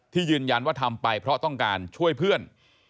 ยืนยันว่าทำไปเพราะต้องการช่วยเพื่อน